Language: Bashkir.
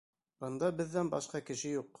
Бында беҙҙән башҡа кеше юҡ.